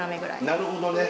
なるほどね